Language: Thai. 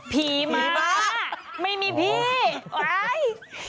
ผีม้าไม่มีพี่